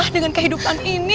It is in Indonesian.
dengan kehidupan ini